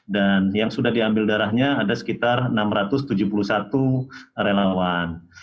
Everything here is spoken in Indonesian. dan yang sudah diambil darahnya ada sekitar enam ratus tujuh puluh satu relawan